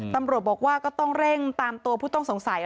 ตำรวจบอกว่าก็ต้องเร่งตามตัวผู้ต้องสงสัย